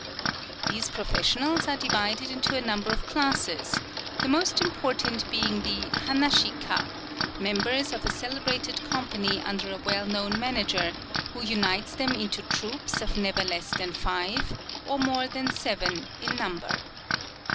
These professionals are divided into a number of classes, the most important being the Hanashi Ka, members of a celebrated company under a well known manager, who unites them into troops of never less than five or more than seven in number.